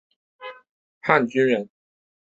汉军人。